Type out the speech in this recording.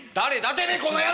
てめえこの野郎！